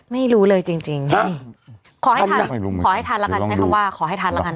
ไม่รู้เลยจริงจริงขอให้ทันขอให้ทันแล้วกันใช้คำว่าขอให้ทันแล้วกัน